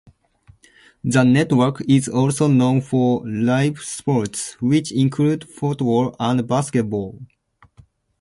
The network is also known for Live Sports, which include Football and Basketball.